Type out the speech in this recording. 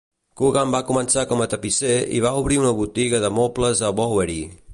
Coogan va començar com a tapisser i va obrir una botiga de mobles a Bowery.